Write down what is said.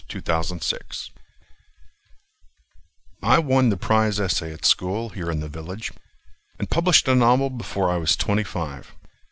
John Horace Burleson I won the prize essay at school Here in the village, And published a novel before I was twenty five.